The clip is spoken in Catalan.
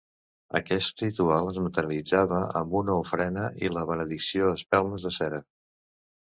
Aquest ritual es materialitzava amb una ofrena i la benedicció d’espelmes de cera.